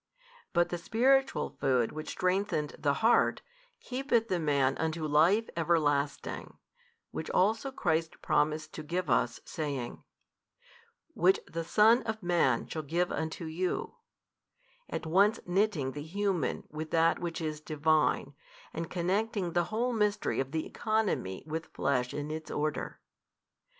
But the spiritual food which strengthened the heart, keepeth the man unto life everlasting, which also Christ promiseth to give us, saying, Which the Son of Man shall give unto you; at once knitting the human with that which is Divine, and connecting the whole mystery of the economy with Flesh in its order.